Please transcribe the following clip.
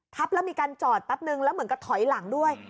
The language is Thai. แล้วมีการจอดแป๊บนึงแล้วเหมือนกับถอยหลังด้วย